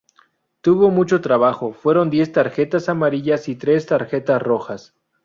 Tuvo mucho trabajo, fueron diez tarjetas amarillas y tres tarjetas rojas.